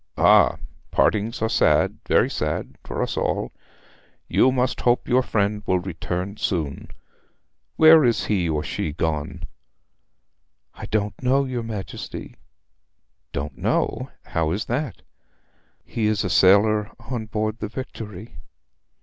'Ah partings are sad very sad for us all. You must hope your friend will return soon. Where is he or she gone?' 'I don't know, your Majesty.' 'Don't know how is that?' 'He is a sailor on board the Victory.'